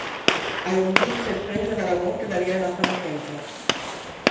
Al hundirse el frente de Aragón quedaría en la zona centro.